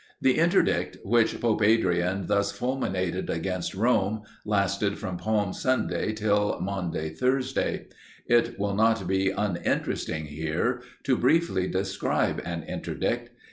The interdict, which Pope Adrian thus fulminated against Rome, lasted from Palm Sunday till Maunday Thursday. It will not be uninteresting here to briefly describe an interdict.